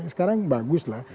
sekarang bagus lah